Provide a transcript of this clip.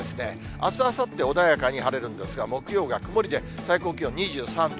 あす、あさって穏やかに晴れるんですが、木曜が曇りで、最高気温２３度。